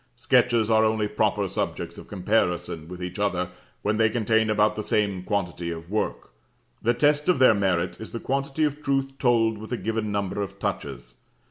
Sketches are only proper subjects of comparison with each other when they contain about the same quantity of work: the test of their merit is the quantity of truth told with a given number of touches.